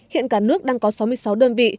hiện cả nước đang có sáu mươi sáu đơn vị